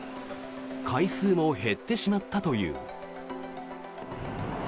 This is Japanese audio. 回数も減ってしまったという。